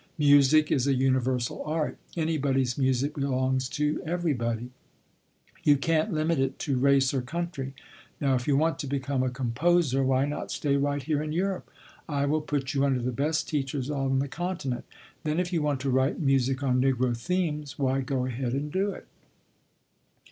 Music is a universal art; anybody's music belongs to everybody; you can't limit it to race or country. Now, if you want to become a composer, why not stay right here in Europe? I will put you under the best teachers on the Continent. Then if you want to write music on Negro themes, why, go ahead and do it."